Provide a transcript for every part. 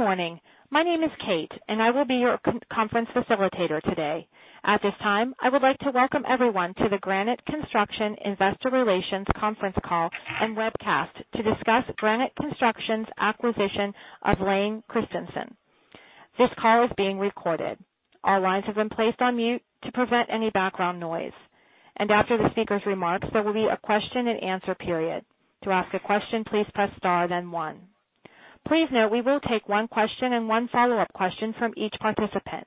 Good morning. My name is Kate, and I will be your conference facilitator today. At this time, I would like to welcome everyone to the Granite Construction Investor Relations Conference Call and Webcast to discuss Granite Construction's acquisition of Layne Christensen. This call is being recorded. All lines have been placed on mute to prevent any background noise, and after the speaker's remarks, there will be a question and answer period. To ask a question, please press star, then one. Please note, we will take one question and one follow-up question from each participant.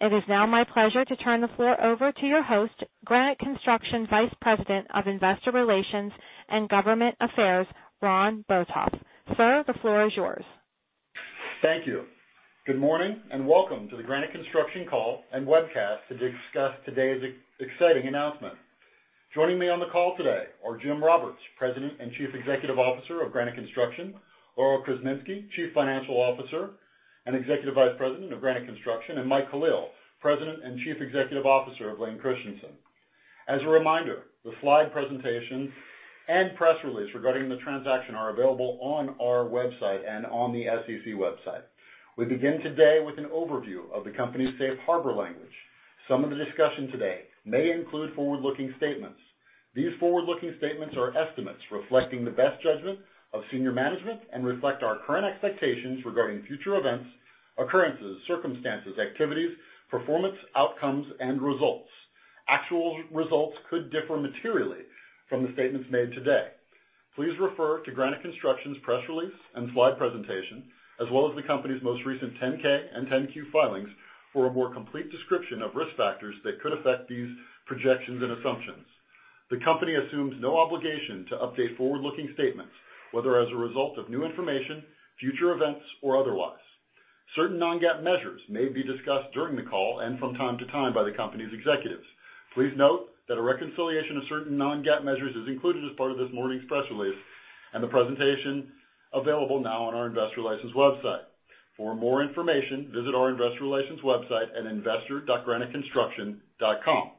It is now my pleasure to turn the floor over to your host, Granite Construction Vice President of Investor Relations and Government Affairs, Ron Botoff. Sir, the floor is yours. Thank you. Good morning, and welcome to the Granite Construction call and webcast to discuss today's exciting announcement. Joining me on the call today are James Roberts, President and Chief Executive Officer of Granite Construction; Laurel Krzeminski, Chief Financial Officer and Executive Vice President of Granite Construction; and Mike Caliel, President and Chief Executive Officer of Layne Christensen. As a reminder, the slide presentation and press release regarding the transaction are available on our website and on the SEC website. We begin today with an overview of the company's Safe Harbor language. Some of the discussion today may include forward-looking statements. These forward-looking statements are estimates reflecting the best judgment of senior management and reflect our current expectations regarding future events, occurrences, circumstances, activities, performance, outcomes, and results. Actual results could differ materially from the statements made today. Please refer to Granite Construction's press release and slide presentation, as well as the company's most recent 10-K and 10-Q filings for a more complete description of risk factors that could affect these projections and assumptions. The company assumes no obligation to update forward-looking statements, whether as a result of new information, future events, or otherwise. Certain non-GAAP measures may be discussed during the call and from time to time by the company's executives. Please note that a reconciliation of certain non-GAAP measures is included as part of this morning's press release, and the presentation available now on our investor relations website. For more information, visit our investor relations website at investor.graniteconstruction.com.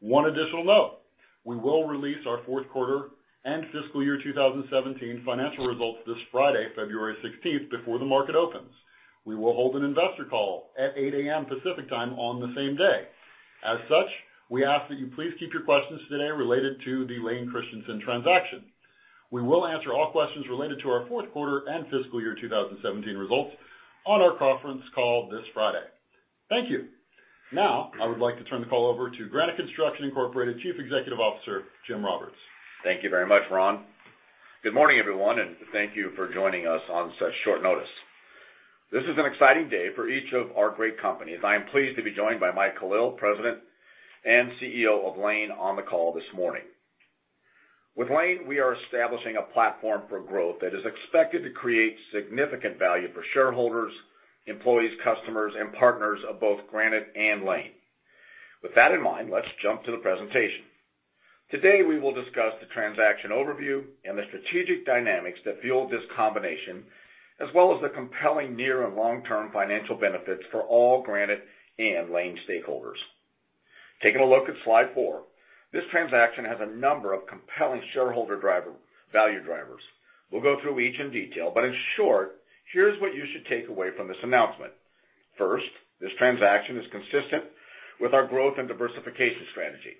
One additional note, we will release our fourth quarter and fiscal year 2017 financial results this Friday, February sixteenth, before the market opens. We will hold an investor call at 8:00 A.M. Pacific Time on the same day. As such, we ask that you please keep your questions today related to the Layne Christensen transaction. We will answer all questions related to our fourth quarter and fiscal year 2017 results on our conference call this Friday. Thank you. Now, I would like to turn the call over to Granite Construction Incorporated Chief Executive Officer, Jim Roberts. Thank you very much, Ron. Good morning, everyone, and thank you for joining us on such short notice. This is an exciting day for each of our great companies. I am pleased to be joined by Mike Caliel, President and CEO of Layne, on the call this morning. With Layne, we are establishing a platform for growth that is expected to create significant value for shareholders, employees, customers, and partners of both Granite and Layne. With that in mind, let's jump to the presentation. Today, we will discuss the transaction overview and the strategic dynamics that fuel this combination, as well as the compelling near and long-term financial benefits for all Granite and Layne stakeholders. Taking a look at slide 4, this transaction has a number of compelling shareholder driver, value drivers. We'll go through each in detail, but in short, here's what you should take away from this announcement. First, this transaction is consistent with our growth and diversification strategy.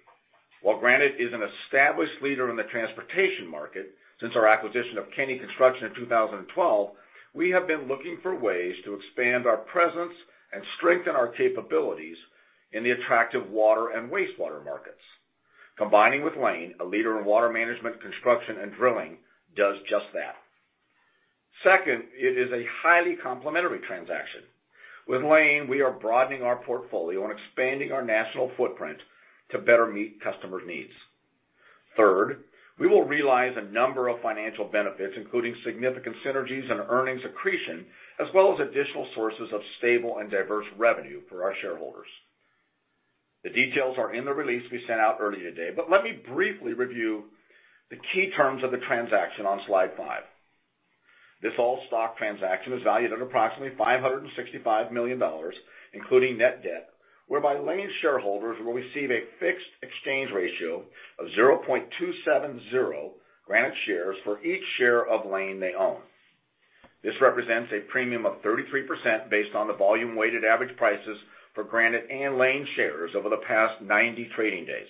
While Granite is an established leader in the transportation market, since our acquisition of Kenny Construction in 2012, we have been looking for ways to expand our presence and strengthen our capabilities in the attractive water and wastewater markets. Combining with Layne, a leader in water management, construction, and drilling, does just that. Second, it is a highly complementary transaction. With Layne, we are broadening our portfolio and expanding our national footprint to better meet customers' needs. Third, we will realize a number of financial benefits, including significant synergies and earnings accretion, as well as additional sources of stable and diverse revenue for our shareholders. The details are in the release we sent out earlier today, but let me briefly review the key terms of the transaction on slide five. This all-stock transaction is valued at approximately $565 million, including net debt, whereby Layne shareholders will receive a fixed exchange ratio of 0.270 Granite shares for each share of Layne they own. This represents a premium of 33% based on the volume-weighted average prices for Granite and Layne shares over the past 90 trading days.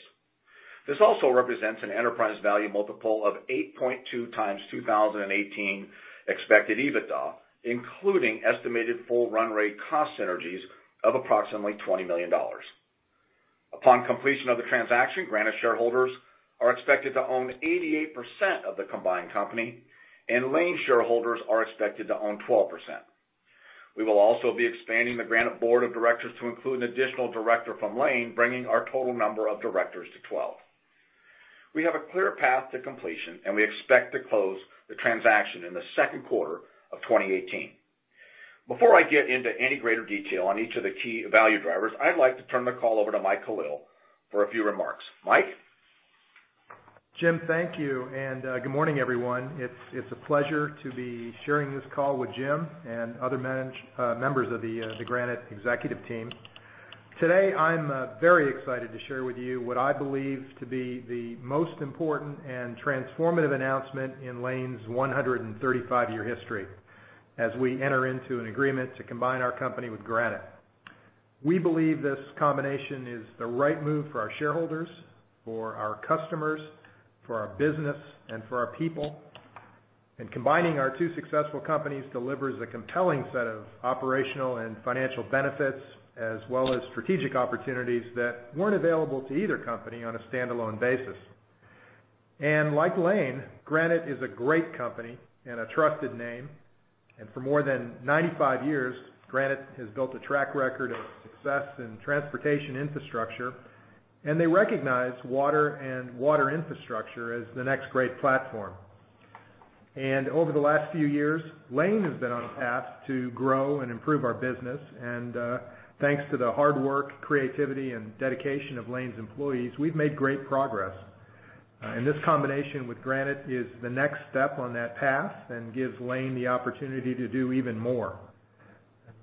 This also represents an enterprise value multiple of 8.2x 2018 expected EBITDA, including estimated full run rate cost synergies of approximately $20 million. Upon completion of the transaction, Granite shareholders are expected to own 88% of the combined company, and Layne shareholders are expected to own 12%. We will also be expanding the Granite Board of Directors to include an additional director from Layne, bringing our total number of directors to 12. We have a clear path to completion, and we expect to close the transaction in the second quarter of 2018. Before I get into any greater detail on each of the key value drivers, I'd like to turn the call over to Mike Caliel for a few remarks. Mike? Jim, thank you, and good morning, everyone. It's a pleasure to be sharing this call with Jim and other management members of the Granite executive team. ...Today, I'm very excited to share with you what I believe to be the most important and transformative announcement in Layne's 135-year history, as we enter into an agreement to combine our company with Granite. We believe this combination is the right move for our shareholders, for our customers, for our business, and for our people. And combining our two successful companies delivers a compelling set of operational and financial benefits, as well as strategic opportunities that weren't available to either company on a standalone basis. And like Layne, Granite is a great company and a trusted name, and for more than 95 years, Granite has built a track record of success in transportation infrastructure, and they recognize water and water infrastructure as the next great platform. Over the last few years, Layne has been on a path to grow and improve our business, and thanks to the hard work, creativity, and dedication of Layne's employees, we've made great progress. This combination with Granite is the next step on that path and gives Layne the opportunity to do even more.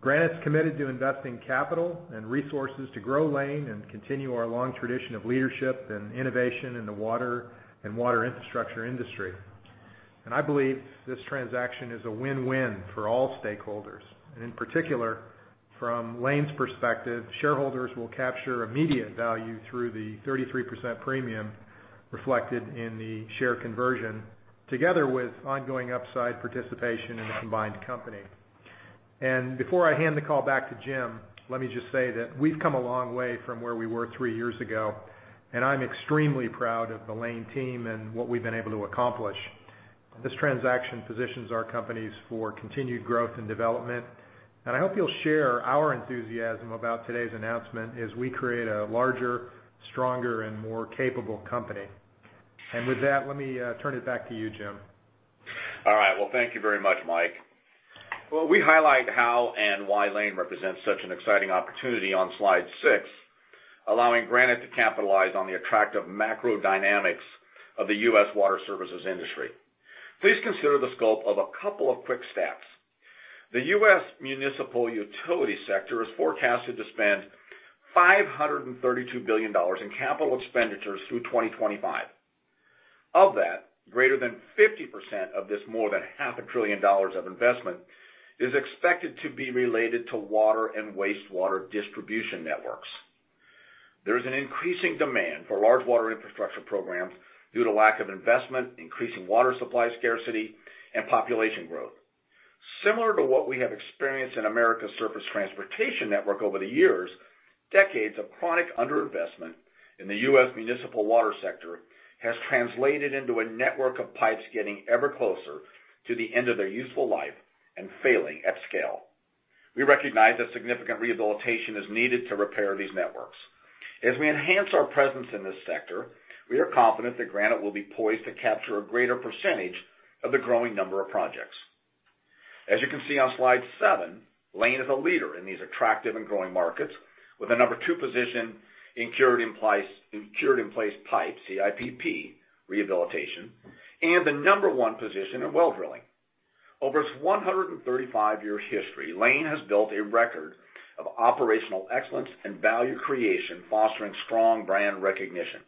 Granite's committed to investing capital and resources to grow Layne and continue our long tradition of leadership and innovation in the water and water infrastructure industry. I believe this transaction is a win-win for all stakeholders, and in particular, from Layne's perspective, shareholders will capture immediate value through the 33% premium reflected in the share conversion, together with ongoing upside participation in the combined company. Before I hand the call back to Jim, let me just say that we've come a long way from where we were three years ago, and I'm extremely proud of the Layne team and what we've been able to accomplish. This transaction positions our companies for continued growth and development, and I hope you'll share our enthusiasm about today's announcement as we create a larger, stronger, and more capable company. With that, let me turn it back to you, Jim. All right. Well, thank you very much, Mike. Well, we highlight how and why Layne represents such an exciting opportunity on slide 6, allowing Granite to capitalize on the attractive macro dynamics of the U.S. water services industry. Please consider the scope of a couple of quick stats. The U.S. municipal utility sector is forecasted to spend $532 billion in capital expenditures through 2025. Of that, greater than 50% of this, more than $500 billion of investment, is expected to be related to water and wastewater distribution networks. There is an increasing demand for large water infrastructure programs due to lack of investment, increasing water supply scarcity, and population growth. Similar to what we have experienced in America's surface transportation network over the years, decades of chronic underinvestment in the U.S. municipal water sector has translated into a network of pipes getting ever closer to the end of their useful life and failing at scale. We recognize that significant rehabilitation is needed to repair these networks. As we enhance our presence in this sector, we are confident that Granite will be poised to capture a greater percentage of the growing number of projects. As you can see on slide 7, Layne is a leader in these attractive and growing markets, with a number two position in Cured-in-Place Pipe, CIPP, rehabilitation, and the number one position in well drilling. Over its 135-year history, Layne has built a record of operational excellence and value creation, fostering strong brand recognition.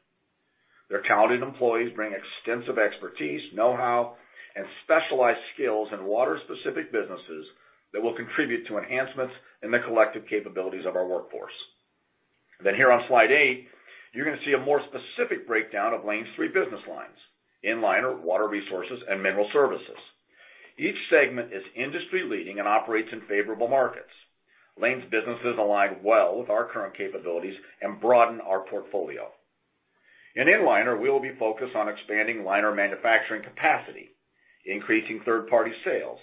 Their talented employees bring extensive expertise, know-how, and specialized skills in water-specific businesses that will contribute to enhancements in the collective capabilities of our workforce. Here on slide 8, you're gonna see a more specific breakdown of Layne's three business lines: Inliner, Water Resources, and Mineral Services. Each segment is industry-leading and operates in favorable markets. Layne's businesses align well with our current capabilities and broaden our portfolio. In Inliner, we will be focused on expanding liner manufacturing capacity, increasing third-party sales,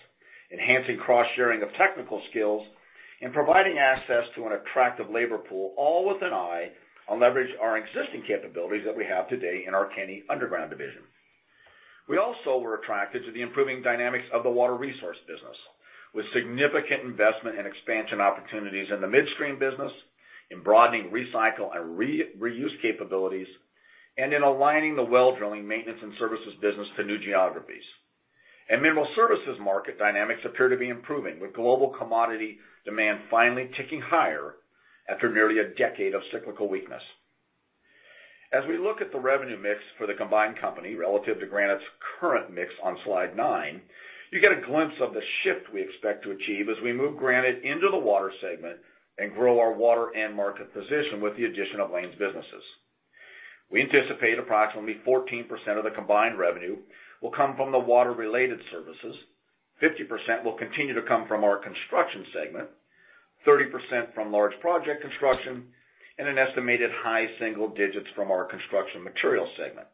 enhancing cross-sharing of technical skills, and providing access to an attractive labor pool, all with an eye on leverage our existing capabilities that we have today in our Kenny Underground division. We also were attracted to the improving dynamics of the water resource business, with significant investment and expansion opportunities in the midstream business, in broadening recycle and reuse capabilities, and in aligning the well drilling maintenance and services business to new geographies. And Mineral Services market dynamics appear to be improving, with global commodity demand finally ticking higher after nearly a decade of cyclical weakness. As we look at the revenue mix for the combined company relative to Granite's current mix on slide 9, you get a glimpse of the shift we expect to achieve as we move Granite into the water segment and grow our water end market position with the addition of Layne's businesses. We anticipate approximately 14% of the combined revenue will come from the water-related services, 50% will continue to come from our construction segment, 30% from large project construction, and an estimated high single digits from our construction materials segment.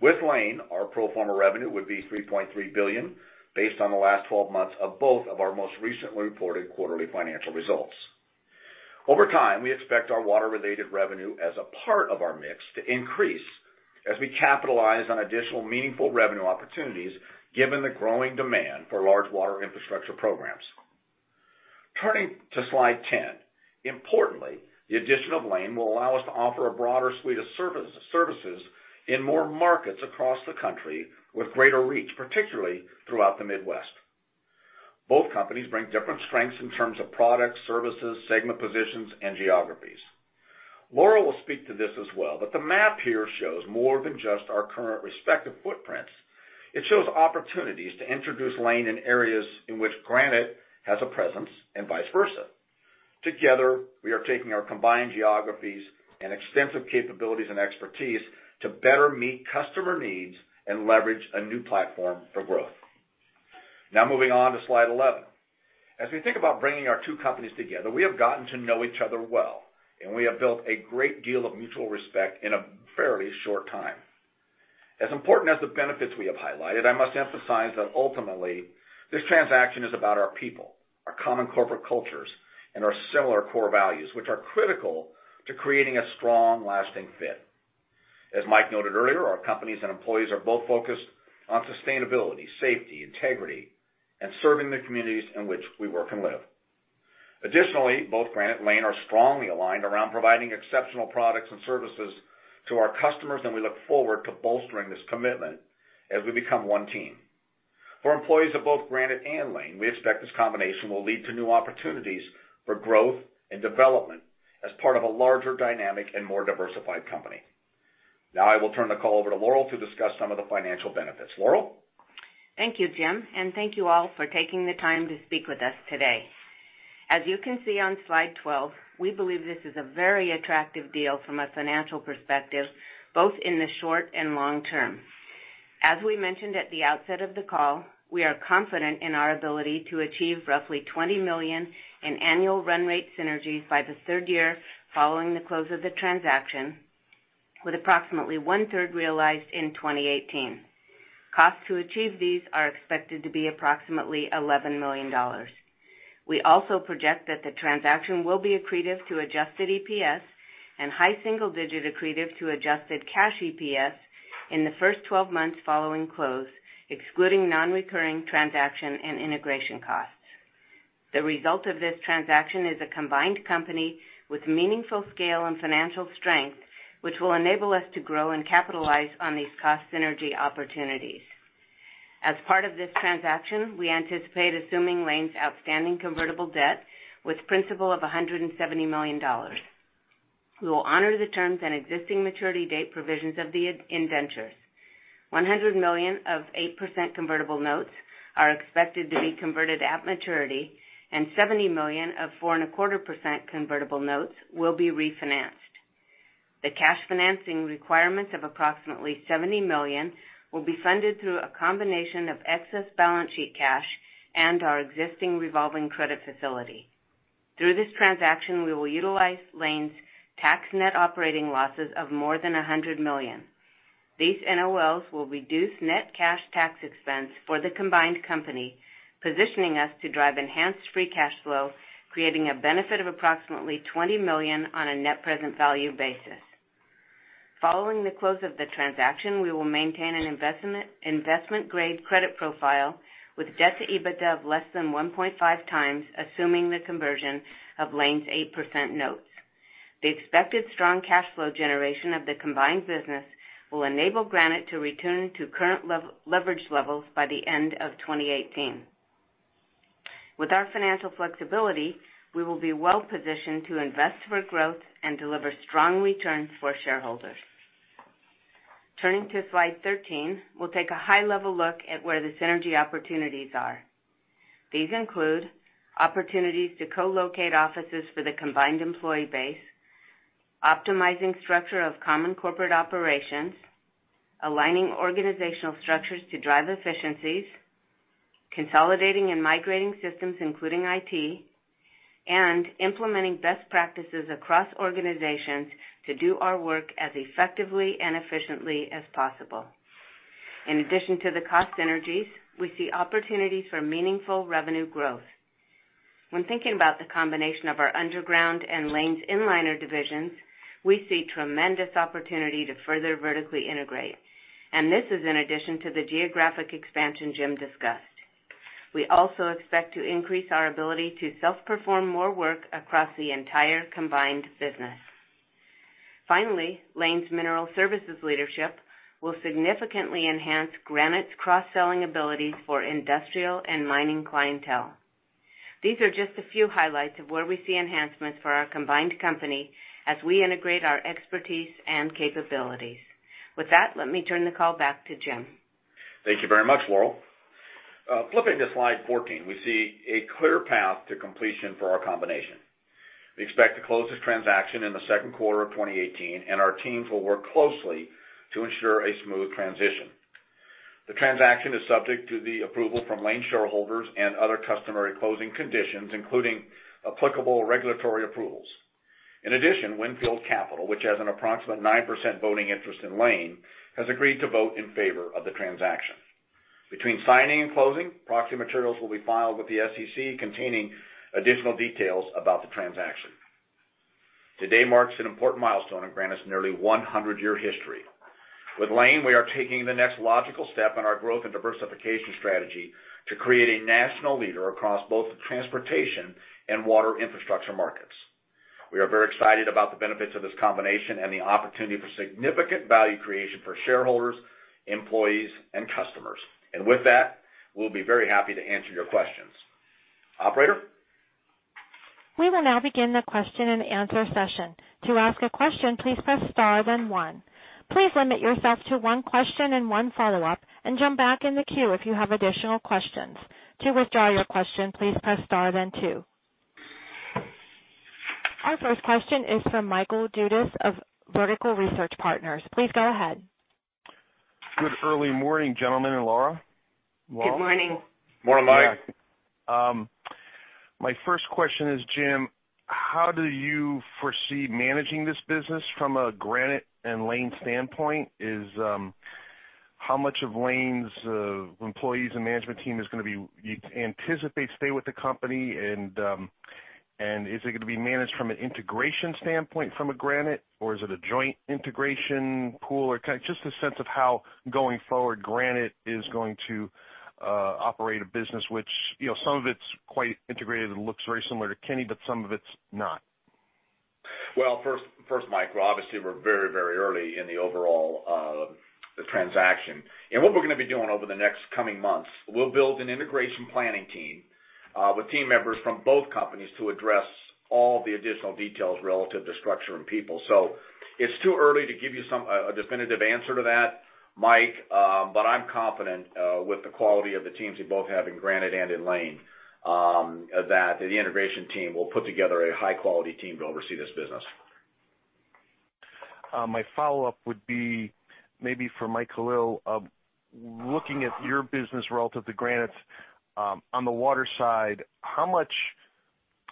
With Layne, our pro forma revenue would be $3.3 billion, based on the last twelve months of both of our most recently reported quarterly financial results. Over time, we expect our water-related revenue as a part of our mix to increase as we capitalize on additional meaningful revenue opportunities, given the growing demand for large water infrastructure programs. Turning to slide 10. Importantly, the addition of Layne will allow us to offer a broader suite of services in more markets across the country with greater reach, particularly throughout the Midwest. Both companies bring different strengths in terms of products, services, segment positions, and geographies. Laurel will speak to this as well, but the map here shows more than just our current respective footprints. It shows opportunities to introduce Layne in areas in which Granite has a presence, and vice versa. Together, we are taking our combined geographies and extensive capabilities and expertise to better meet customer needs and leverage a new platform for growth. Now, moving on to slide 11. As we think about bringing our two companies together, we have gotten to know each other well, and we have built a great deal of mutual respect in a fairly short time. As important as the benefits we have highlighted, I must emphasize that ultimately, this transaction is about our people, our common corporate cultures, and our similar core values, which are critical to creating a strong, lasting fit. As Mike noted earlier, our companies and employees are both focused on sustainability, safety, integrity, and serving the communities in which we work and live. Additionally, both Granite and Layne are strongly aligned around providing exceptional products and services to our customers, and we look forward to bolstering this commitment as we become one team. For employees of both Granite and Layne, we expect this combination will lead to new opportunities for growth and development as part of a larger, dynamic, and more diversified company. Now I will turn the call over to Laurel to discuss some of the financial benefits. Laurel? Thank you, Jim, and thank you all for taking the time to speak with us today. As you can see on slide 12, we believe this is a very attractive deal from a financial perspective, both in the short and long term. As we mentioned at the outset of the call, we are confident in our ability to achieve roughly $20 million in annual run rate synergies by the third year following the close of the transaction, with approximately one third realized in 2018. Costs to achieve these are expected to be approximately $11 million. We also project that the transaction will be accretive to Adjusted EPS and high single digit accretive to Adjusted cash EPS in the first 12 months following close, excluding non-recurring transaction and integration costs. The result of this transaction is a combined company with meaningful scale and financial strength, which will enable us to grow and capitalize on these cost synergy opportunities. As part of this transaction, we anticipate assuming Layne's outstanding convertible debt with principal of $170 million. We will honor the terms and existing maturity date provisions of the indentures. $100 million of 8% convertible notes are expected to be converted at maturity, and $70 million of 4.25% convertible notes will be refinanced. The cash financing requirements of approximately $70 million will be funded through a combination of excess balance sheet cash and our existing revolving credit facility. Through this transaction, we will utilize Layne's tax net operating losses of more than $100 million. These NOLs will reduce net cash tax expense for the combined company, positioning us to drive enhanced free cash flow, creating a benefit of approximately $20 million on a net present value basis. Following the close of the transaction, we will maintain an investment-grade credit profile with debt to EBITDA of less than 1.5x, assuming the conversion of Layne's 8% notes. The expected strong cash flow generation of the combined business will enable Granite to return to current leverage levels by the end of 2018. With our financial flexibility, we will be well positioned to invest for growth and deliver strong returns for shareholders. Turning to slide 13, we'll take a high-level look at where the synergy opportunities are. These include opportunities to co-locate offices for the combined employee base, optimizing structure of common corporate operations, aligning organizational structures to drive efficiencies, consolidating and migrating systems, including IT, and implementing best practices across organizations to do our work as effectively and efficiently as possible. In addition to the cost synergies, we see opportunities for meaningful revenue growth. When thinking about the combination of our underground and Layne's Inliner divisions, we see tremendous opportunity to further vertically integrate, and this is in addition to the geographic expansion Jim discussed. We also expect to increase our ability to self-perform more work across the entire combined business. Finally, Layne's Mineral Services leadership will significantly enhance Granite's cross-selling ability for industrial and mining clientele. These are just a few highlights of where we see enhancements for our combined company as we integrate our expertise and capabilities. With that, let me turn the call back to Jim. Thank you very much, Laurel. Flipping to slide 14, we see a clear path to completion for our combination. We expect to close this transaction in the second quarter of 2018, and our teams will work closely to ensure a smooth transition. The transaction is subject to the approval from Layne shareholders and other customary closing conditions, including applicable regulatory approvals. In addition, Wynnefield Capital, which has an approximate 9% voting interest in Layne, has agreed to vote in favor of the transaction. Between signing and closing, proxy materials will be filed with the SEC, containing additional details about the transaction. Today marks an important milestone in Granite's nearly 100-year history. With Layne, we are taking the next logical step in our growth and diversification strategy to create a national leader across both the transportation and water infrastructure markets.... We are very excited about the benefits of this combination and the opportunity for significant value creation for shareholders, employees, and customers. With that, we'll be very happy to answer your questions. Operator? We will now begin the question and answer session. To ask a question, please press star, then one. Please limit yourself to one question and one follow-up, and jump back in the queue if you have additional questions. To withdraw your question, please press star then two. Our first question is from Michael Dudas of Vertical Research Partners. Please go ahead. Good early morning, gentlemen, and Laurel. Good morning. Morning, Mike. My first question is, Jim, how do you foresee managing this business from a Granite and Layne standpoint? Is, how much of Layne's, employees and management team is gonna be-- you anticipate to stay with the company, and, and is it gonna be managed from an integration standpoint from a Granite, or is it a joint integration pool? Or kind of just a sense of how, going forward, Granite is going to, operate a business which, you know, some of it's quite integrated and looks very similar to Kenny, but some of it's not. Well, first, Mike, we're obviously very early in the overall transaction. And what we're gonna be doing over the next coming months, we'll build an integration planning team with team members from both companies to address all the additional details relative to structure and people. So it's too early to give you a definitive answer to that, Mike, but I'm confident with the quality of the teams we both have in Granite and in Layne that the integration team will put together a high-quality team to oversee this business. My follow-up would be maybe for Mike Caliel. Looking at your business relative to Granite's, on the water side, how much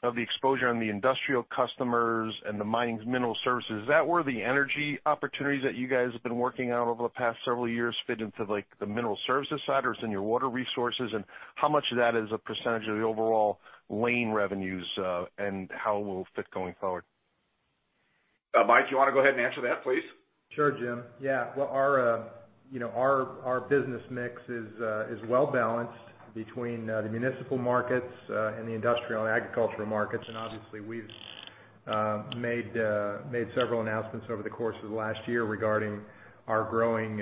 of the exposure on the industrial customers and the mining Mineral Services, is that where the energy opportunities that you guys have been working on over the past several years fit into, like, the Mineral Services side, or is it in your Water Resources? And how much of that is a percentage of the overall Layne revenues, and how will it fit going forward? Mike, do you wanna go ahead and answer that, please? Sure, Jim. Yeah. Well, our, our business mix is, is well balanced between, the municipal markets, and the industrial and agricultural markets. And obviously, we've, made, made several announcements over the course of the last year regarding our growing,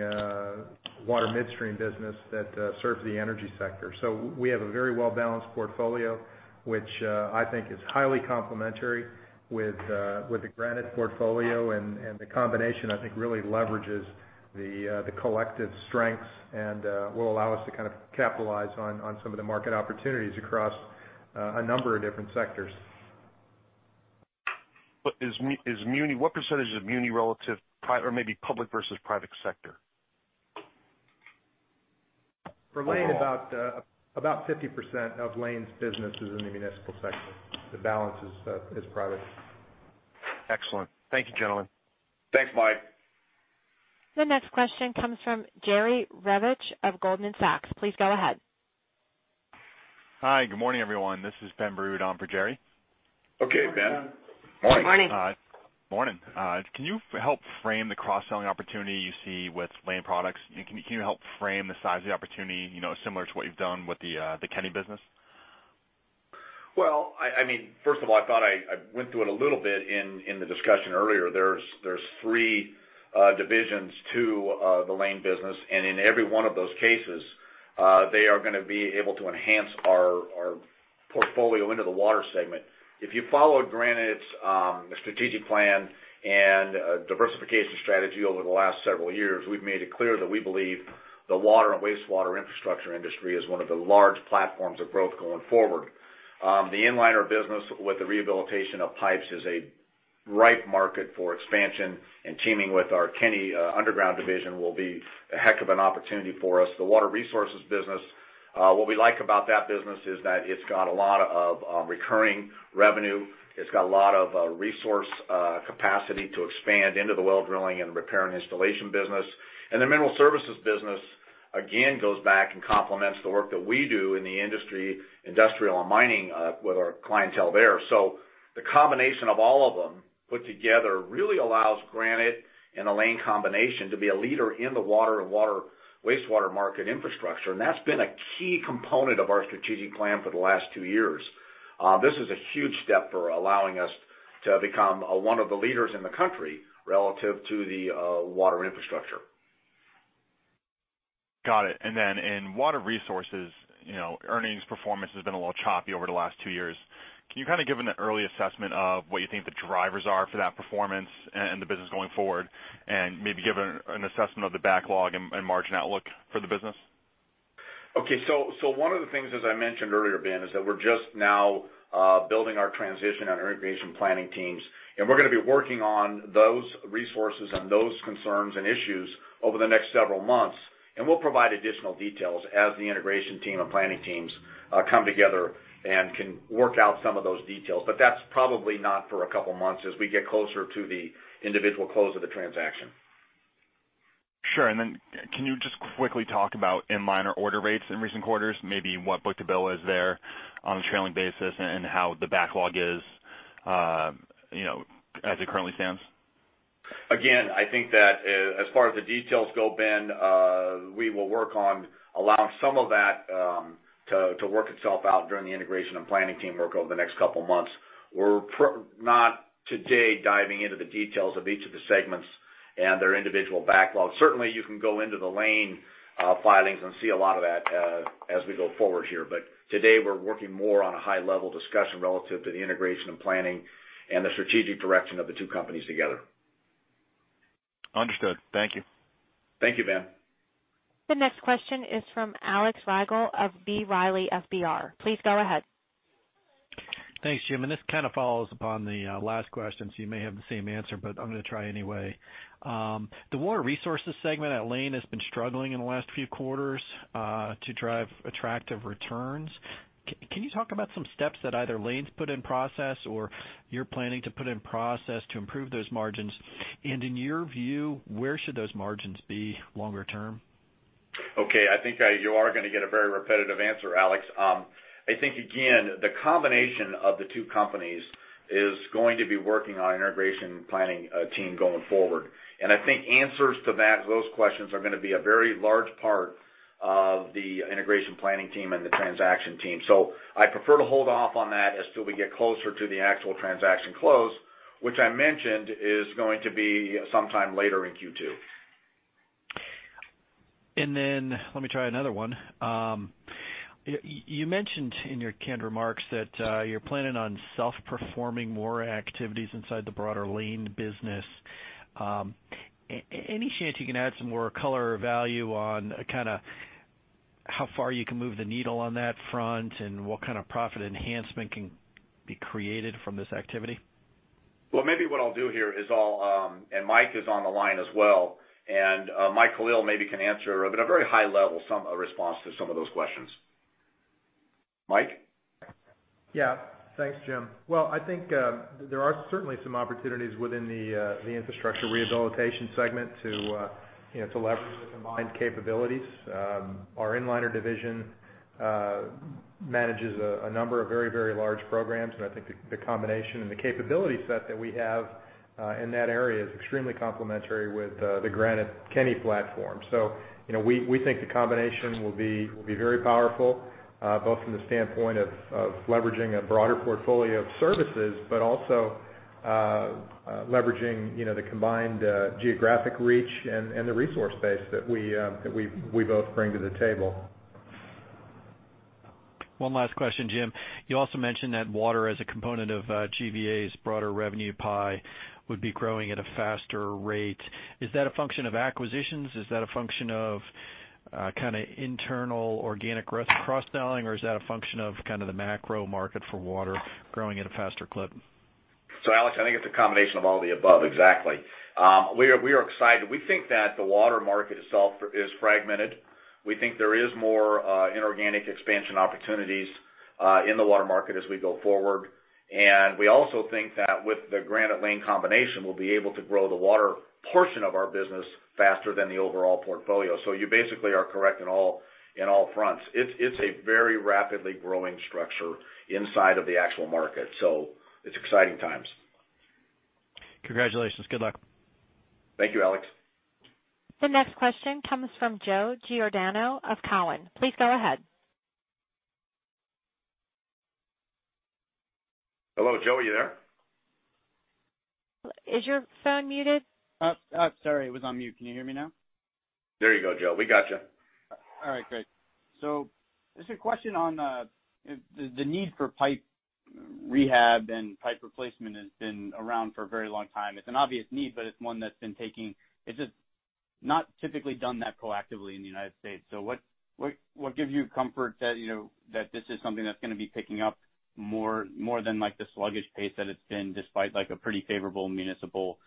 Water Midstream business that, serves the energy sector. So we have a very well-balanced portfolio, which, I think is highly complementary with, with the Granite portfolio. And, and the combination, I think, really leverages the, the collective strengths and, will allow us to kind of capitalize on, on some of the market opportunities across, a number of different sectors. But is muni what percentage is muni relative, private or maybe public versus private sector? Overall. For Layne, about 50% of Layne's business is in the municipal sector. The balance is private. Excellent. Thank you, gentlemen. Thanks, Mike. The next question comes from Jerry Revich of Goldman Sachs. Please go ahead. Hi, good morning, everyone. This is Ben Baroody on for Jerry. Okay, Ben. Good morning. Hi. Morning. Can you help frame the cross-selling opportunity you see with Layne products? And can you help frame the size of the opportunity, you know, similar to what you've done with the Kenny business? Well, I mean, first of all, I thought I went through it a little bit in the discussion earlier. There's three divisions to the Layne business, and in every one of those cases, they are gonna be able to enhance our portfolio into the water segment. If you followed Granite's strategic plan and diversification strategy over the last several years, we've made it clear that we believe the water and wastewater infrastructure industry is one of the large platforms of growth going forward. The Inliner business with the rehabilitation of pipes is a ripe market for expansion, and teaming with our Kenny Underground division will be a heck of an opportunity for us. The Water Resources business, what we like about that business is that it's got a lot of recurring revenue. It's got a lot of resource capacity to expand into the well drilling and repair and installation business. The Mineral Services business, again, goes back and complements the work that we do in the industrial and mining with our clientele there. So the combination of all of them put together really allows Granite and the Layne combination to be a leader in the water and wastewater market infrastructure, and that's been a key component of our strategic plan for the last two years. This is a huge step for allowing us to become one of the leaders in the country relative to the water infrastructure. Got it. Then in Water Resources, you know, earnings performance has been a little choppy over the last two years. Can you kind of give an early assessment of what you think the drivers are for that performance and, and the business going forward, and maybe give an, an assessment of the backlog and, and margin outlook for the business? Okay. So one of the things, as I mentioned earlier, Ben, is that we're just now building our transition and our integration planning teams. And we're gonna be working on those resources and those concerns and issues over the next several months, and we'll provide additional details as the integration team and planning teams come together and can work out some of those details. But that's probably not for a couple of months as we get closer to the individual close of the transaction. Sure. Then can you just quickly talk about Inliner order rates in recent quarters, maybe what book-to-bill is there on a trailing basis and how the backlog is, you know, as it currently stands?... Again, I think that, as far as the details go, Ben, we will work on allowing some of that, to work itself out during the integration and planning team work over the next couple of months. We're not today, diving into the details of each of the segments and their individual backlogs. Certainly, you can go into the Layne filings and see a lot of that, as we go forward here. But today, we're working more on a high-level discussion relative to the integration and planning and the strategic direction of the two companies together. Understood. Thank you. Thank you, Ben. The next question is from Alex Rygiel of B. Riley FBR. Please go ahead. Thanks, Jim, and this kind of follows upon the last question, so you may have the same answer, but I'm gonna try anyway. The Water Resources segment at Layne has been struggling in the last few quarters to drive attractive returns. Can you talk about some steps that either Layne's put in process or you're planning to put in process to improve those margins? And in your view, where should those margins be longer term? Okay, I think you are gonna get a very repetitive answer, Alex. I think, again, the combination of the two companies is going to be working on an integration planning team, going forward. And I think answers to that, those questions are gonna be a very large part of the integration planning team and the transaction team. So I prefer to hold off on that until we get closer to the actual transaction close, which I mentioned is going to be sometime later in Q2. Let me try another one. You mentioned in your canned remarks that you're planning on self-performing more activities inside the broader Layne business. Any chance you can add some more color or value on kinda how far you can move the needle on that front, and what kind of profit enhancement can be created from this activity? Well, maybe what I'll do here is. And Mike is on the line as well. And, Mike Caliel maybe can answer, at a very high level, some a response to some of those questions. Mike? Yeah. Thanks, Jim. Well, I think, there are certainly some opportunities within the infrastructure rehabilitation segment to, you know, to leverage the combined capabilities. Our Inliner division manages a number of very, very large programs, and I think the combination and the capability set that we have in that area is extremely complementary with the Granite-Kenny platform. So, you know, we think the combination will be very powerful, both from the standpoint of leveraging a broader portfolio of services, but also, leveraging, you know, the combined geographic reach and the resource base that we both bring to the table. One last question, Jim. You also mentioned that water as a component of GVA's broader revenue pie would be growing at a faster rate. Is that a function of acquisitions? Is that a function of kinda internal organic growth cross-selling, or is that a function of kind of the macro market for water growing at a faster clip? So, Alex, I think it's a combination of all the above, exactly. We are excited. We think that the water market itself is fragmented. We think there is more inorganic expansion opportunities in the water market as we go forward. We also think that with the Granite-Layne combination, we'll be able to grow the water portion of our business faster than the overall portfolio. So you basically are correct in all fronts. It's a very rapidly growing structure inside of the actual market, so it's exciting times. Congratulations. Good luck. Thank you, Alex. The next question comes from Joe Giordano of Cowen. Please go ahead. Hello, Joe, are you there? Is your phone muted? Sorry, it was on mute. Can you hear me now? There you go, Joe. We got you. All right, great. So just a question on the need for pipe rehab and pipe replacement has been around for a very long time. It's an obvious need, but it's one that's been taking... It's just not typically done that proactively in the United States. So what gives you comfort that, you know, that this is something that's gonna be picking up more than like, the sluggish pace that it's been, despite like, a pretty favorable municipal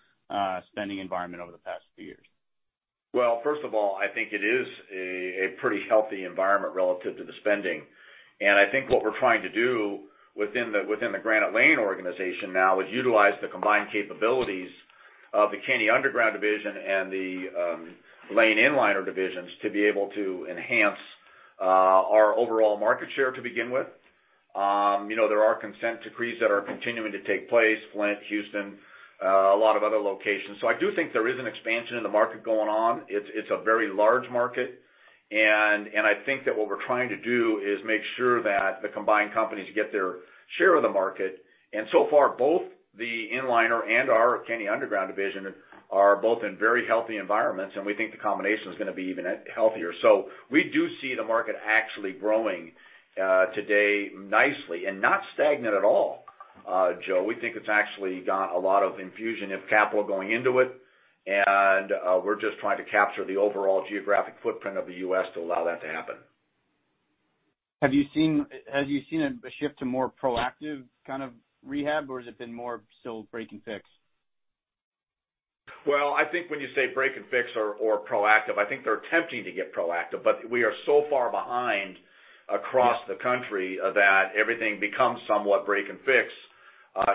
spending environment over the past few years? Well, first of all, I think it is a pretty healthy environment relative to the spending. And I think what we're trying to do within the, within the Granite-Layne organization now, is utilize the combined capabilities of the Kenny Underground division and the, Layne Inliner divisions, to be able to enhance our overall market share to begin with. You know, there are consent decrees that are continuing to take place, Flint, Houston, a lot of other locations. So I do think there is an expansion in the market going on. It's a very large market, and I think that what we're trying to do is make sure that the combined companies get their share of the market. So far, both the Inliner and our Kenny Underground division are both in very healthy environments, and we think the combination is gonna be even healthier. So we do see the market actually growing today nicely, and not stagnant at all, Joe. We think it's actually got a lot of infusion of capital going into it, and we're just trying to capture the overall geographic footprint of the U.S. to allow that to happen. Have you seen a shift to more proactive kind of rehab, or has it been more so break and fix? Well, I think when you say break and fix or, or proactive, I think they're attempting to get proactive, but we are so far behind across the country, that everything becomes somewhat break and fix,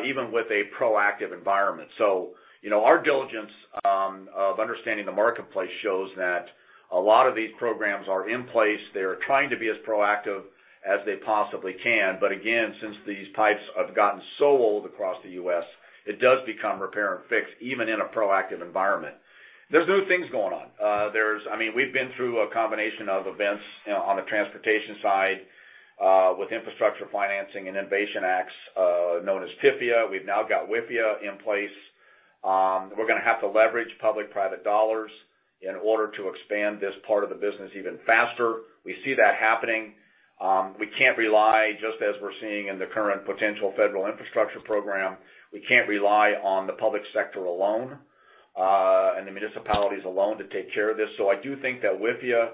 even with a proactive environment. So, you know, our diligence of understanding the marketplace shows that a lot of these programs are in place. They're trying to be as proactive as they possibly can, but again, since these pipes have gotten so old across the U.S., it does become repair and fix, even in a proactive environment. There's good things going on. There's, I mean, we've been through a combination of events, you know, on the transportation side, with infrastructure financing and innovation acts, known as TIFIA. We've now got WIFIA in place. We're gonna have to leverage public-private dollars in order to expand this part of the business even faster. We see that happening. We can't rely, just as we're seeing in the current potential federal infrastructure program, we can't rely on the public sector alone, and the municipalities alone to take care of this. So I do think that WIFIA,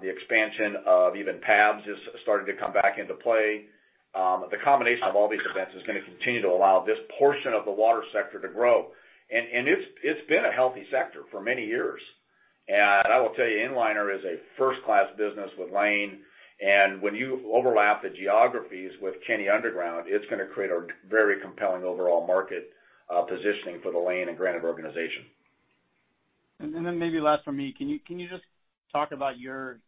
the expansion of even PABs is starting to come back into play. The combination of all these events is gonna continue to allow this portion of the water sector to grow. And it's been a healthy sector for many years. And I will tell you, Inliner is a first class business with Layne, and when you overlap the geographies with Kenny Underground, it's gonna create a very compelling overall market positioning for the Layne and Granite organization. And then maybe last from me, can you just talk about your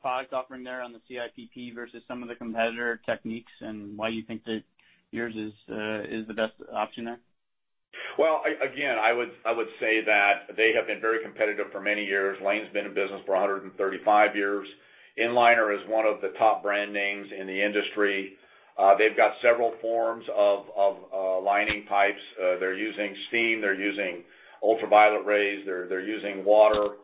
product offering there on the CIPP versus some of the competitor techniques, and why you think that yours is the best option there? Well, again, I would say that they have been very competitive for many years. Layne's been in business for 135 years. Inliner is one of the top brand names in the industry. They've got several forms of lining pipes. They're using steam, they're using ultraviolet rays, they're using water.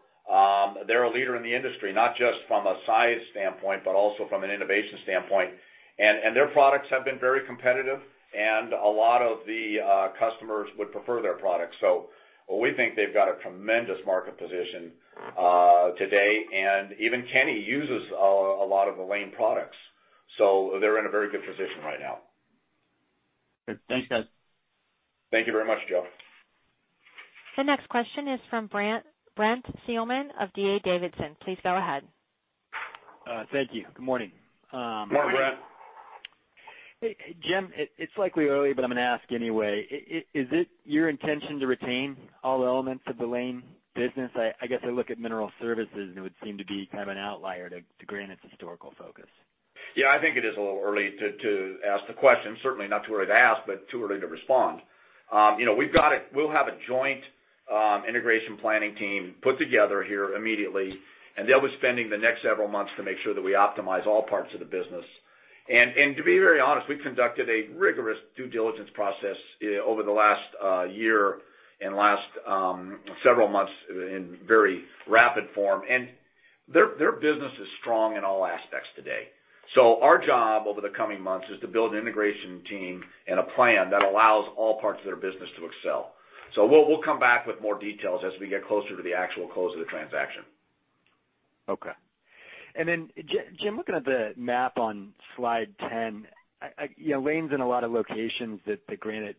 They're a leader in the industry, not just from a size standpoint, but also from an innovation standpoint. And their products have been very competitive, and a lot of the customers would prefer their products. So we think they've got a tremendous market position today, and even Kenny uses a lot of the Layne products. So they're in a very good position right now. Good. Thanks, guys. Thank you very much, Joe. The next question is from Brent Thielman of D.A. Davidson. Please go ahead. Thank you. Good morning. Good morning, Brent. Hey, Jim, it's likely early, but I'm gonna ask anyway. Is it your intention to retain all elements of the Layne business? I guess I look at Mineral Services, and it would seem to be kind of an outlier to Granite's historical focus. Yeah, I think it is a little early to ask the question. Certainly not too early to ask, but too early to respond. You know, we'll have a joint integration planning team put together here immediately, and they'll be spending the next several months to make sure that we optimize all parts of the business. And to be very honest, we conducted a rigorous due diligence process over the last year and last several months in very rapid form, and their business is strong in all aspects today. So our job over the coming months is to build an integration team and a plan that allows all parts of their business to excel. So we'll come back with more details as we get closer to the actual close of the transaction. Okay. And then Jim, looking at the map on slide 10, I... You know, Layne's in a lot of locations that Granite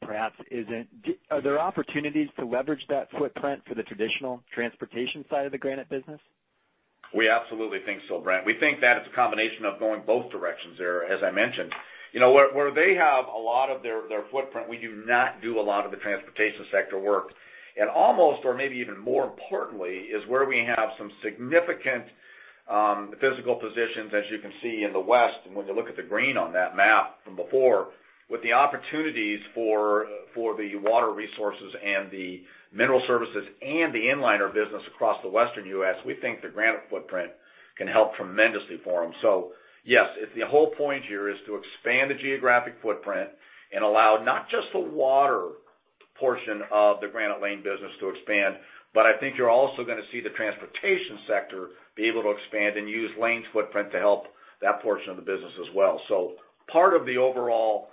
perhaps isn't. Are there opportunities to leverage that footprint for the traditional transportation side of the Granite business? We absolutely think so, Brent. We think that it's a combination of going both directions there, as I mentioned. You know, where, where they have a lot of their, their footprint, we do not do a lot of the transportation sector work. And almost, or maybe even more importantly, is where we have some significant physical positions, as you can see in the West, and when you look at the green on that map from before, with the opportunities for, for the Water Resources and the Mineral Services and the Inliner business across the Western U.S., we think the Granite footprint can help tremendously for them. So yes, the whole point here is to expand the geographic footprint and allow not just the water portion of the Granite-Layne business to expand, but I think you're also gonna see the transportation sector be able to expand and use Layne's footprint to help that portion of the business as well. So part of the overall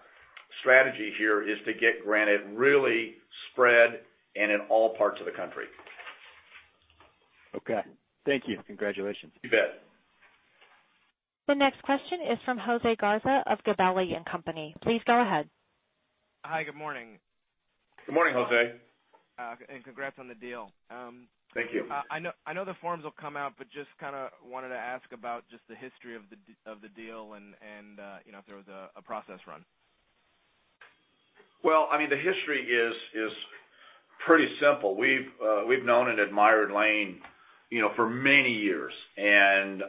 strategy here is to get Granite really spread and in all parts of the country. Okay. Thank you. Congratulations. You bet. The next question is from Jose Garza of Gabelli & Company. Please go ahead. Hi, good morning. Good morning, Jose. Congrats on the deal. Thank you. I know, I know the forms will come out, but just kind of wanted to ask about just the history of the deal and, you know, if there was a process run. Well, I mean, the history is pretty simple. We've known and admired Layne, you know, for many years and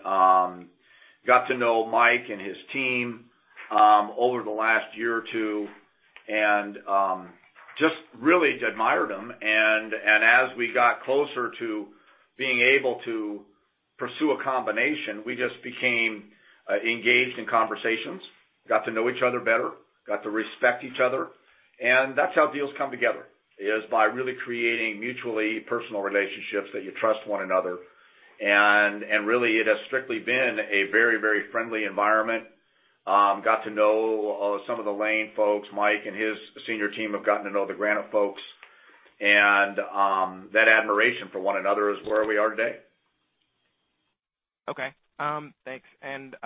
got to know Mike and his team over the last year or two, and just really admired him. And as we got closer to being able to pursue a combination, we just became engaged in conversations, got to know each other better, got to respect each other, and that's how deals come together, is by really creating mutually personal relationships that you trust one another. And really, it has strictly been a very, very friendly environment. Got to know some of the Layne folks. Mike and his senior team have gotten to know the Granite folks, and that admiration for one another is where we are today. Okay. Thanks. And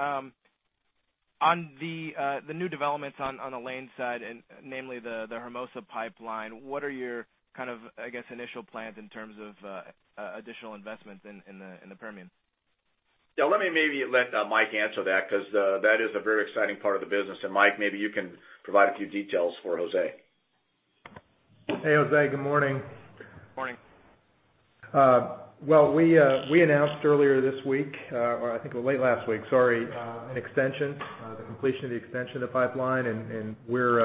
on the new developments on the Layne side, and namely the Hermosa Pipeline, what are your kind of, I guess, initial plans in terms of additional investments in the Permian?... Yeah, let me maybe let Mike answer that, 'cause that is a very exciting part of the business. And Mike, maybe you can provide a few details for Jose. Hey, Jose, good morning. Morning. Well, we announced earlier this week, or I think it was late last week, sorry, the completion of the extension of pipeline. And we're,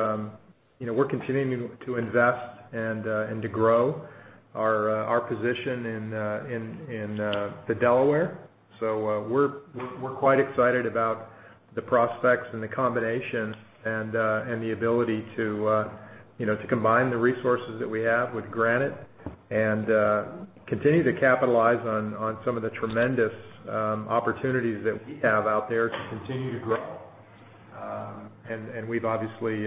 you know, we're continuing to invest and to grow our position in the Delaware. So, we're quite excited about the prospects and the combination and the ability to, you know, to combine the resources that we have with Granite and continue to capitalize on some of the tremendous opportunities that we have out there to continue to grow. And we've obviously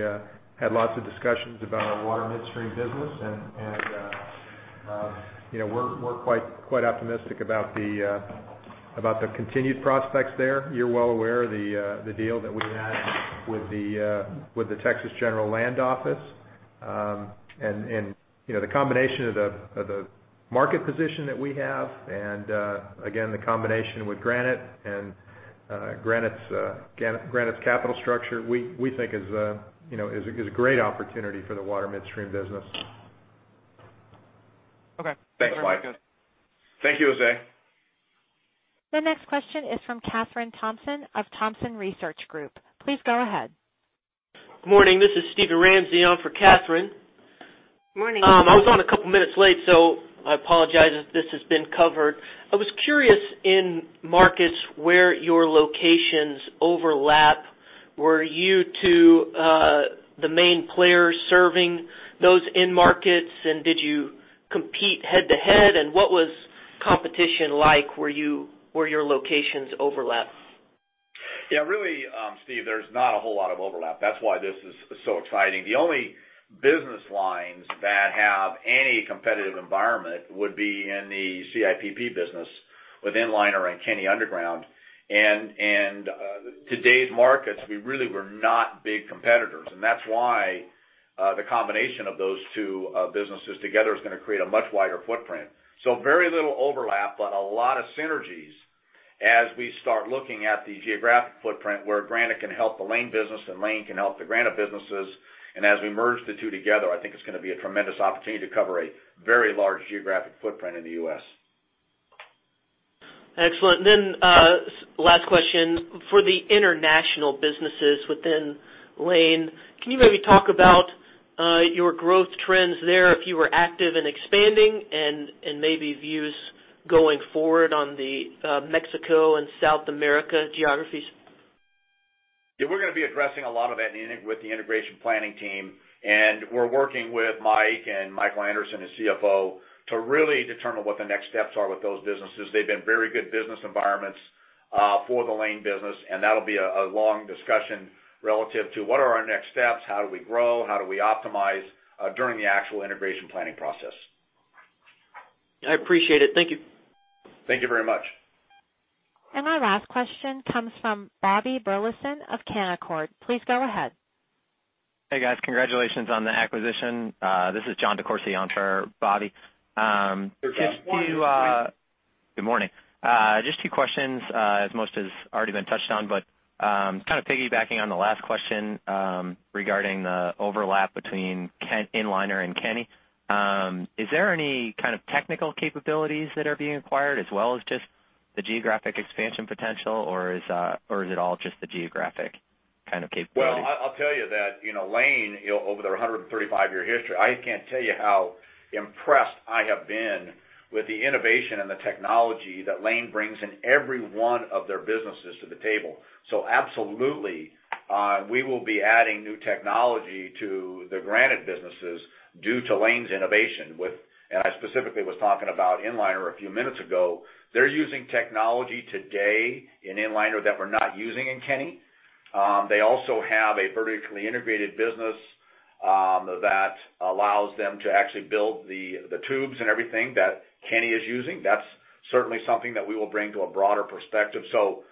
had lots of discussions about our Water Midstream business, and you know, we're quite optimistic about the continued prospects there. You're well aware of the deal that we had with the Texas General Land Office. You know, the combination of the market position that we have and, again, the combination with Granite and Granite's capital structure, we think is a great opportunity for the Water Midstream business. Okay. Thanks, Mike. Thank you, Jose. The next question is from Kathryn Thompson of Thompson Research Group. Please go ahead. Good morning. This is Steven Ramsey on for Kathryn. Morning. I was on a couple minutes late, so I apologize if this has been covered. I was curious in markets where your locations overlap, were you two, the main players serving those end markets, and did you compete head-to-head? And what was competition like where your locations overlap? Yeah, really, Steve, there's not a whole lot of overlap. That's why this is so exciting. The only business lines that have any competitive environment would be in the CIPP business with Inliner and Kenny Underground. And today's markets, we really were not big competitors, and that's why the combination of those two businesses together is gonna create a much wider footprint. So very little overlap, but a lot of synergies as we start looking at the geographic footprint, where Granite can help the Layne business, and Layne can help the Granite businesses. And as we merge the two together, I think it's gonna be a tremendous opportunity to cover a very large geographic footprint in the U.S. Excellent. Then, last question. For the international businesses within Layne, can you maybe talk about your growth trends there, if you were active in expanding and, and maybe views going forward on the Mexico and South America geographies? Yeah, we're gonna be addressing a lot of that with the integration planning team, and we're working with Mike and Michael Anderson, his CFO, to really determine what the next steps are with those businesses. They've been very good business environments for the Layne business, and that'll be a long discussion relative to what are our next steps? How do we grow? How do we optimize during the actual integration planning process? I appreciate it. Thank you. Thank you very much. Our last question comes from Bobby Burleson of Canaccord. Please go ahead. Hey, guys. Congratulations on the acquisition. This is Jon DeCourcey on for Bobby. Just to, Good morning. Good morning. Just two questions, as most has already been touched on, but kind of piggybacking on the last question, regarding the overlap between Kenny and Inliner. Is there any kind of technical capabilities that are being acquired as well as just the geographic expansion potential, or is it all just the geographic kind of capability? Well, I'll tell you that, you know, Layne, over their 135-year history, I can't tell you how impressed I have been with the innovation and the technology that Layne brings in every one of their businesses to the table. So absolutely, we will be adding new technology to the Granite businesses due to Layne's innovation with... And I specifically was talking about Inliner a few minutes ago. They're using technology today in Inliner that we're not using in Kenny. They also have a vertically integrated business, that allows them to actually build the, the tubes and everything that Kenny is using. That's certainly something that we will bring to a broader perspective. So,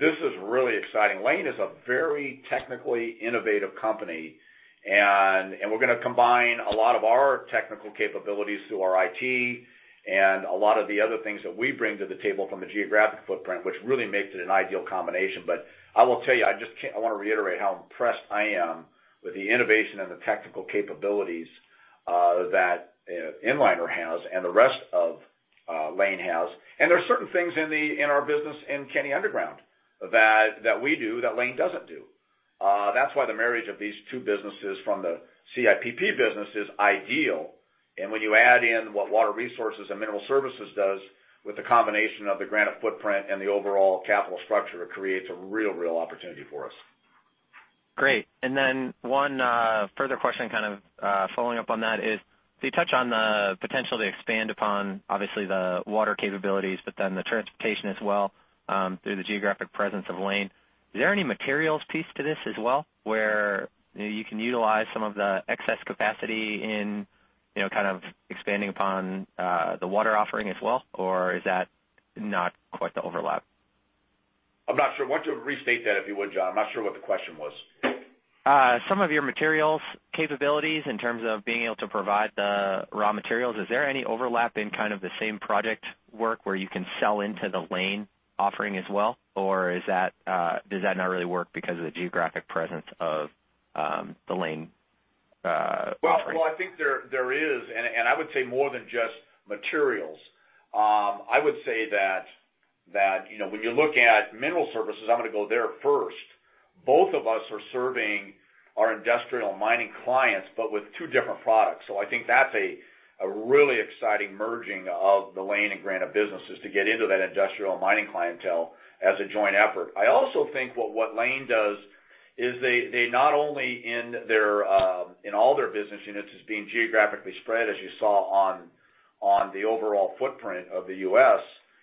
this is really exciting. Layne is a very technically innovative company, and we're gonna combine a lot of our technical capabilities through our IT and a lot of the other things that we bring to the table from a geographic footprint, which really makes it an ideal combination. But I will tell you, I just can't. I want to reiterate how impressed I am with the innovation and the technical capabilities that Inliner has and the rest of Layne has. And there are certain things in our business in Kenny Underground that we do that Layne doesn't do. That's why the marriage of these two businesses from the CIPP business is ideal. And when you add in what Water Resources and Mineral Services does, with the combination of the Granite footprint and the overall capital structure, it creates a real, real opportunity for us. Great. And then one, further question, kind of, following up on that is, you touch on the potential to expand upon, obviously, the water capabilities, but then the transportation as well, through the geographic presence of Layne. Is there any materials piece to this as well, where, you know, you can utilize some of the excess capacity in, you know, kind of expanding upon, the water offering as well, or is that not quite the overlap?... I'm not sure. Why don't you restate that, if you would, Jon? I'm not sure what the question was. Some of your materials capabilities in terms of being able to provide the raw materials, is there any overlap in kind of the same project work where you can sell into the Layne offering as well? Or is that, does that not really work because of the geographic presence of the Layne offering? Well, I think there is, and I would say more than just materials. I would say that, you know, when you're looking at Mineral Services, I'm gonna go there first. Both of us are serving our industrial mining clients, but with two different products. So I think that's a really exciting merging of the Layne and Granite businesses, to get into that industrial mining clientele as a joint effort. I also think what Layne does is they not only in their, in all their business units, as being geographically spread, as you saw on the overall footprint of the U.S.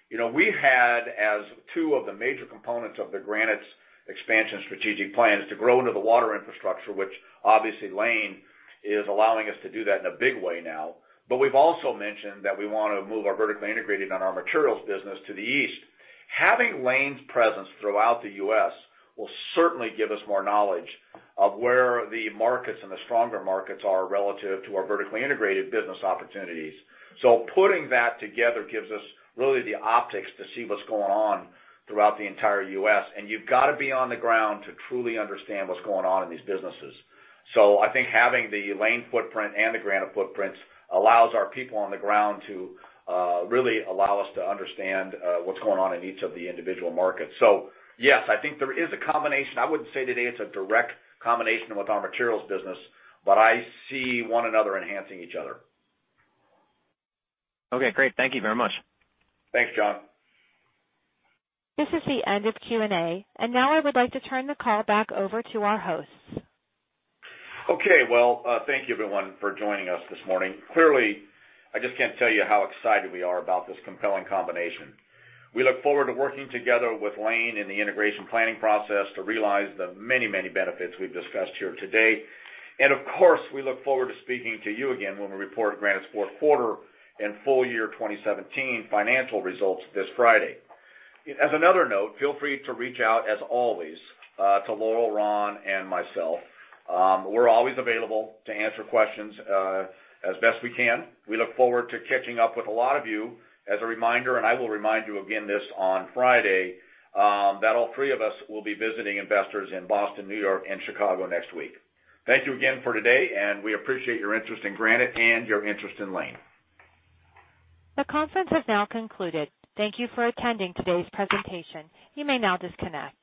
You know, we've had as two of the major components of the Granite's expansion strategic plan is to grow into the water infrastructure, which obviously Layne is allowing us to do that in a big way now. But we've also mentioned that we wanna move our vertically integrated on our materials business to the East. Having Layne's presence throughout the U.S. will certainly give us more knowledge of where the markets and the stronger markets are relative to our vertically integrated business opportunities. So putting that together gives us really the optics to see what's going on throughout the entire U.S., and you've got to be on the ground to truly understand what's going on in these businesses. So I think having the Layne footprint and the Granite footprints allows our people on the ground to really allow us to understand what's going on in each of the individual markets. So yes, I think there is a combination. I wouldn't say today it's a direct combination with our materials business, but I see one another enhancing each other. Okay, great. Thank you very much. Thanks, Jon. This is the end of Q&A, and now I would like to turn the call back over to our hosts. Okay. Well, thank you everyone for joining us this morning. Clearly, I just can't tell you how excited we are about this compelling combination. We look forward to working together with Layne in the integration planning process to realize the many, many benefits we've discussed here today. And of course, we look forward to speaking to you again when we report Granite's fourth quarter and full year 2017 financial results this Friday. As another note, feel free to reach out, as always, to Laurel, Ron, and myself. We're always available to answer questions, as best we can. We look forward to catching up with a lot of you. As a reminder, and I will remind you again this on Friday, that all three of us will be visiting investors in Boston, New York, and Chicago next week. Thank you again for today, and we appreciate your interest in Granite and your interest in Layne. The conference has now concluded. Thank you for attending today's presentation. You may now disconnect.